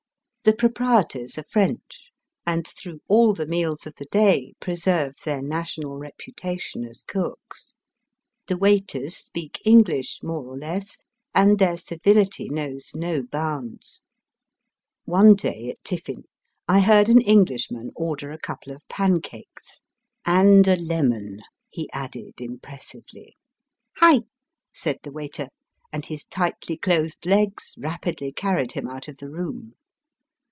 The proprietors are French, and through all the meals of the day preserve their national reputation as cooks. The waiters speak English, more or less, and their civility knows no hounds. One day at tiffin I heard an Englishman order a couple of pancakes, '* and a lemon," he added impressively. " Heih !" said the waiter, and his tightly clothed legs rapidly carried him out of the room.